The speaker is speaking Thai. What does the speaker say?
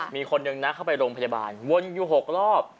มีคนหนึ่งนะเข้าไปโรงพยาบาลวนอยู่๖รอบ